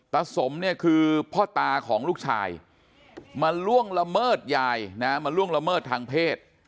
สมเนี่ยคือพ่อตาของลูกชายมาล่วงละเมิดยายนะมาล่วงละเมิดทางเพศ